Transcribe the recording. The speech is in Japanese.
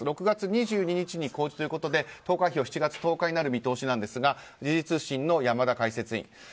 ６月２２日公示ということで投開票は７月１０日になる見通しですが時事通信の山田解説委員。